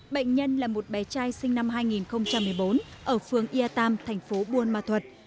bệnh nhân là một bé trai sinh năm hai nghìn một mươi bốn ở phương yatam thành phố buôn ma thuật